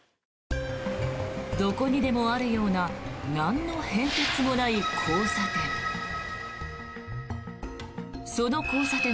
どこにでもあるようななんの変哲もない交差点。